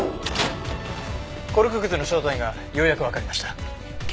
コルクくずの正体がようやくわかりました。